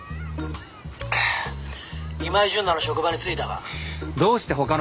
「ああ今井純奈の職場に着いたか？」